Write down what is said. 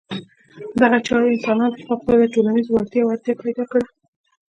دغې چارې انسانانو ته د فوقالعاده ټولنیزو وړتیاوو اړتیا پیدا کړه.